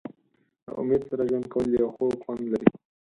د امید سره ژوند کول یو خوږ خوند لري.